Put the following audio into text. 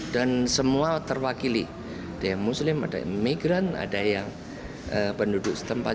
dan semua terwakili ada yang muslim ada yang migran ada yang penduduk setempat